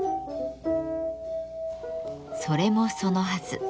それもそのはず。